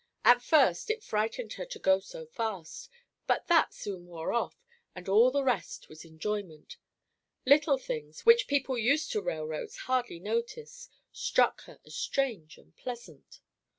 At first it frightened her to go so fast, but that soon wore off, and all the rest was enjoyment. Little things, which people used to railroads hardly notice, struck her as strange and pleasant.